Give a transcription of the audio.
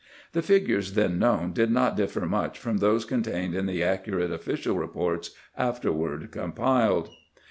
The figures then known did 192 CAMPAIGNING WITH GRANT not differ much, from those contained in the accurate official reports afterward compiled.